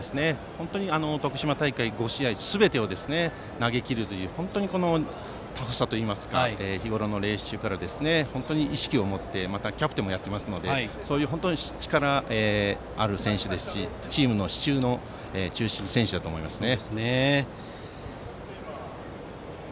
本当に徳島大会５試合すべてを投げ切る本当にタフさといいますか日ごろの練習から本当に意識を持ってキャプテンもやっていますので本当に力のある選手ですしチームの支柱、中心選手ですね。